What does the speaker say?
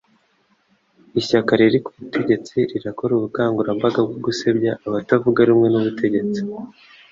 Ishyaka riri ku butegetsi rirakora ubukangurambaga bwo gusebya abatavuga rumwe n'ubutegetsi.